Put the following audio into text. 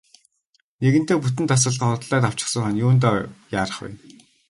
Нэгэнтээ бүтэн тасалгаа худалдаад авсан хойно юундаа яарах вэ.